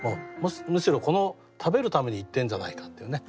むしろ食べるために行ってんじゃないかっていうね。